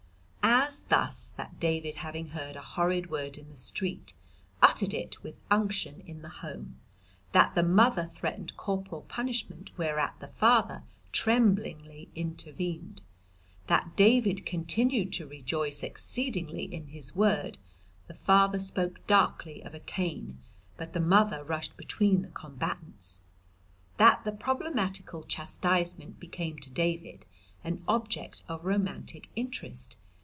"As thus, that David having heard a horrid word in the street, uttered it with unction in the home. That the mother threatened corporal punishment, whereat the father tremblingly intervened. That David continuing to rejoice exceedingly in his word, the father spoke darkly of a cane, but the mother rushed between the combatants. That the problematical chastisement became to David an object of romantic interest.